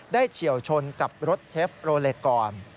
เฉียวชนกับรถเชฟโรเล็ตก่อน